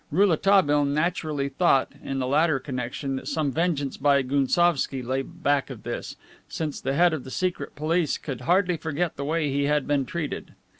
Rouletabille naturally thought, in the latter connection, that some vengeance by Gounsovski lay back of this, since the head of the Secret Service could hardly forget the way he had been treated.